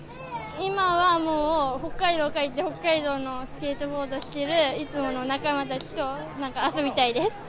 今はもう北海道に帰って、北海道のスケートボードをしているいつもの仲間たちと遊びたいです。